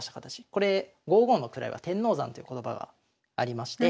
これ「５五の位は天王山」という言葉がありまして。